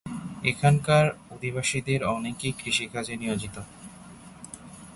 এখানকার অধিবাসীদের অনেকেই কৃষিকাজে নিয়োজিত।